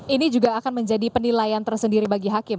ini juga akan menjadi penilaian tersendiri bagi hakim